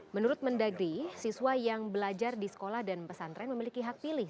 menurut mendagri siswa yang belajar di sekolah dan pesantren memiliki hak pilih